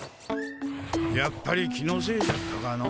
やっぱり気のせいじゃったかの。